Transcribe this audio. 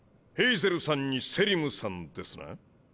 ヘイゼルさんにセリムさんですね？